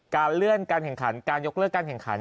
การเลื่อนการแข่งขันการยกเลิกการแข่งขัน